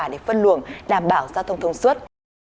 để phân luồng đảm bảo giao thông thông suốt